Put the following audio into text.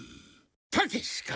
たけしか。